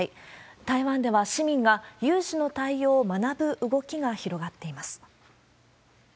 台湾では市民が有事の対応を学ぶ動きが広がっています。